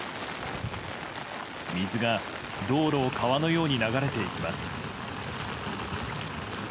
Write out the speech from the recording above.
水が道路を川のように流れていきます。